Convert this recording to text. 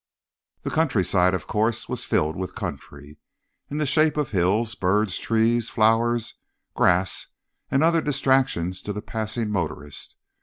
The countryside, of course, was filled with country, in the shape of hills, birds, trees, flowers, grass and other distractions to the passing motorist.